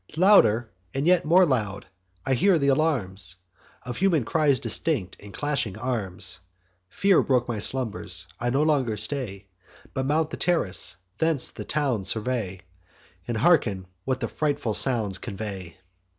Louder, and yet more loud, I hear th' alarms Of human cries distinct, and clashing arms. Fear broke my slumbers; I no longer stay, But mount the terrace, thence the town survey, And hearken what the frightful sounds convey.